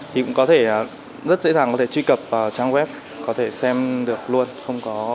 thì cũng có thể rất dễ dàng có thể truy cập vào trang web có thể xem được luôn không có